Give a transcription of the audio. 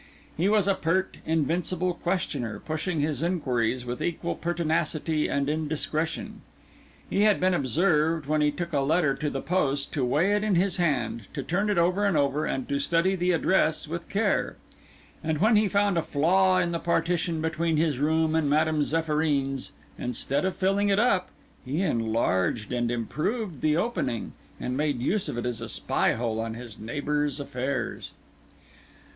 He was a pert, invincible questioner, pushing his inquiries with equal pertinacity and indiscretion; he had been observed, when he took a letter to the post, to weigh it in his hand, to turn it over and over, and to study the address with care; and when he found a flaw in the partition between his room and Madame Zéphyrine's, instead of filling it up, he enlarged and improved the opening, and made use of it as a spy hole on his neighbour's affairs.